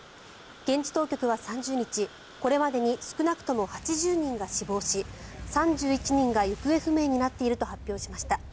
現地当局は３０日、これまでに少なくとも８０人が死亡し３１人が行方不明になっていると発表しました。